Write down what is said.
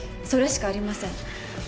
それしかありません。